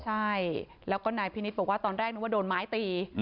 ใช่แล้วก็นายพินิษฐ์บอกว่าตอนแรกนึกว่าโดนไม้ตี